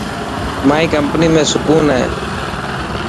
مائي ڪمپني ۾ سڪون هي.